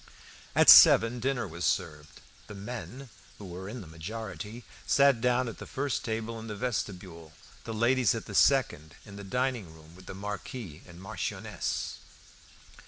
At seven dinner was served. The men, who were in the majority, sat down at the first table in the vestibule; the ladies at the second in the dining room with the Marquis and Marchioness.